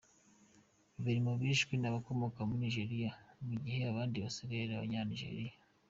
Babiri mu bishwe ni abakomoka muri Niger, mu gihe abandi basigaye ni abanya-Nigeria.